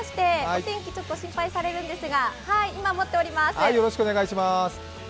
お天気ちょっと心配されるんですが、今もっております。